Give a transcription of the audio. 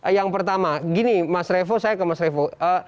yang pertama gini mas revo saya ke mas revo